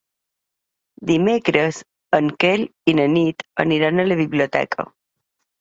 Dimecres en Quel i na Nit aniran a la biblioteca.